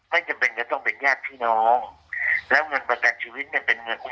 ไม่จำเป็นจะต้องเป็นญาติพี่น้องแล้วเงินประกันชีวิตเนี่ยเป็นเงิน